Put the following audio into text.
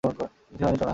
কিছুই হয়নি, সোনা।